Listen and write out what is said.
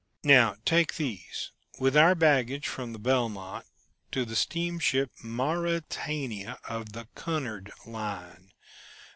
"Now, take these with our baggage from the Belmont to the steamship Mauretania of the Cunard line.